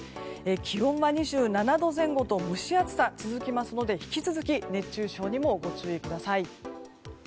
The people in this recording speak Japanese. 気温は２７度前後と蒸し暑さが続きますので引き続き熱中症にもご注意ください。